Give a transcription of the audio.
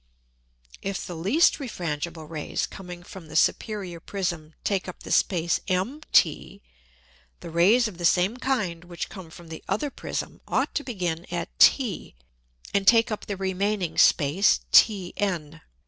If the least refrangible Rays coming from the superior Prism take up the Space MT, the Rays of the same kind which come from the other Prism ought to begin at T, and take up the remaining Space TN.